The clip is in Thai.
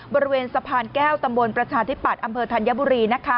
บริเวณสะพานแก้วตำบลประชาธิปัตย์อำเภอธัญบุรี